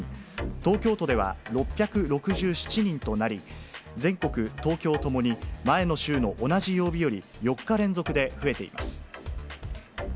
東京都では６６７人となり、全国、東京ともに、前の週の同じ曜日より４日連続で増えています。